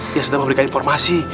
dia sudah memberikan informasi